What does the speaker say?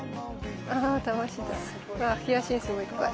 あっヒヤシンスもいっぱい。